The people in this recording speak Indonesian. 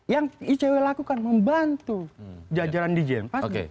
yang icw lakukan membantu jajaran di jnpas